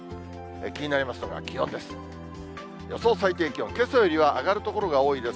気になりますのが気温です。